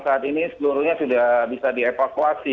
saat ini seluruhnya sudah bisa dievakuasi